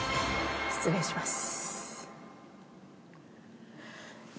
失礼します。